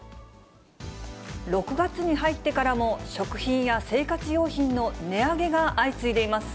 ６月に入ってからも、食品や生活用品の値上げが相次いでいます。